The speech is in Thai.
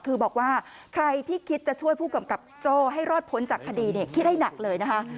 คือบอกว่าใครที่คิดจะช่วยผู้กำกับโจ้ให้รอดพ้นจากคดีคิดให้หนักเลยนะคะ